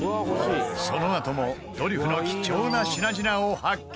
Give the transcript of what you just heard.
そのあともドリフの貴重な品々を発見